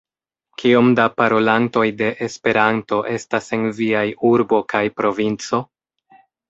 Kiom da parolantoj de Esperanto estas en viaj urbo kaj provinco?